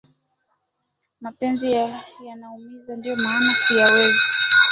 Mapenzi yanaumiza, ndio maana siyawezi